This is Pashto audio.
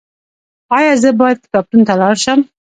ایا زه باید کتابتون ته لاړ شم؟